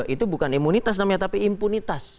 itu bukan imunitas namanya tapi impunitas